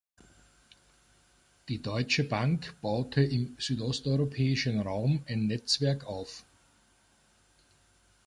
Die Deutsche Bank baute im südosteuropäischen Raum ein Netzwerk auf.